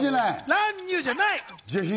乱入じゃない。